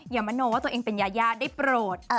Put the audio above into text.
อย่ามาโนว่าตัวเองเป็นญาอย่างได้โปรด